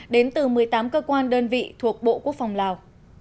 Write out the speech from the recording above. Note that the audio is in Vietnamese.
đến từ một mươi tám cơ quan đơn vị thuộc bộ quốc phòng lào